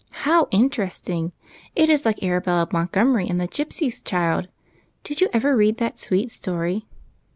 " How interesting ! It is like Arabella Montgomery in the ' Gypsy's Child.' Did you ever read that sweet story